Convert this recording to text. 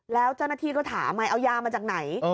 แล้วเจ้าหน้าที่ก็ถามไงเอายามาจากไหน